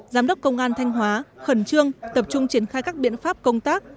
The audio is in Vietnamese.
giám đốc công an thanh hóa khẩn trương tập trung triển khai các biện pháp công tác